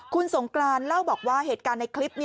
คุณสงกรานเล่าบอกว่าเหตุการณ์ในคลิป